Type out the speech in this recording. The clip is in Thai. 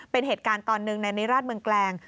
เป็นเหตุการณ์ตอนหนึ่งในนิราชเมืองแกลง